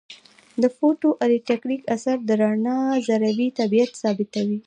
د فوټو الیټکریک اثر د رڼا ذروي طبیعت ثابتوي.